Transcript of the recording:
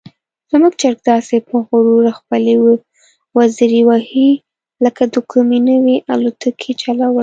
زموږ چرګه داسې په غرور خپلې وزرې وهي لکه د کومې نوې الوتکې چلول.